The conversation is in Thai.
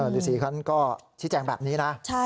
ฤษีเขาก็ชิดแจ่งแบบนี้นะ